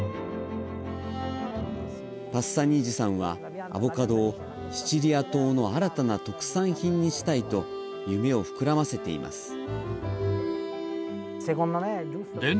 パッサニージさんはアボカドをシチリア島の新たな特産品にしたいと夢を膨らませています。